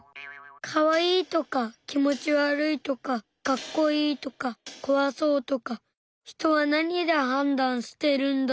かわいいとか気持ち悪いとかかっこいいとかこわそうとか人はなにで判断してるんだろう？